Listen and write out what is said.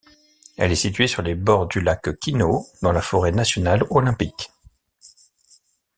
Elle est située sur les bords du lac Quinault dans la forêt nationale Olympique.